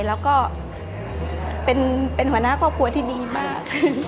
แล้วก็เป็นหัวหน้าครอบครัวที่ดีมาก